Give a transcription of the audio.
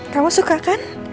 kamu suka kan